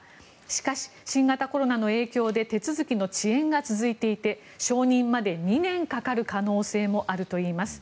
しかし、新型コロナの影響で手続きの遅延が続いていて承認まで２年かかる可能性もあるといいます。